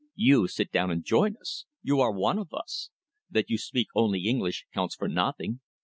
You sit down and join us. You are one of us. That you speak only English counts for nothing.